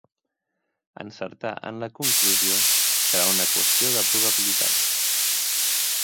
Encertar en la conclusió serà una qüestió de probabilitats.